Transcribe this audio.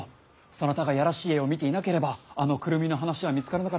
そなたがいやらしい絵を見ていなければあのクルミの話は見つからなかったわけであるし。